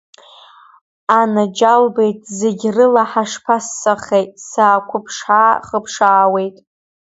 Анаџьалбеит, зегь рыла ҳашԥассахеи, саагәыԥшаа-хыԥшаауеит.